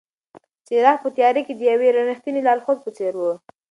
څراغ په تیاره کې د یوې رښتینې لارښود په څېر و.